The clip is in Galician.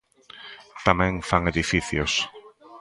Tamén fan edificios.